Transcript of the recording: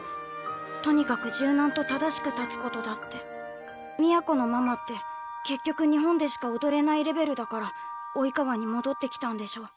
とにかく柔軟と正しく立つことだって都のママって結局日本でしか踊れないレベルだから「生川」に戻ってきたんでしょ？